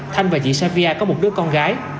thanh và chị safia có một đứa con gái